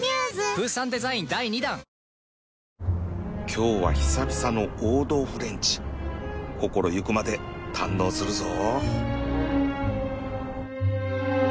今日は久々の王道フレンチ心行くまで堪能するぞ